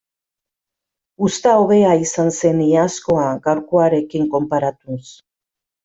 Uzta hobea izan zen iazkoa gaurkoarekin konparatuz.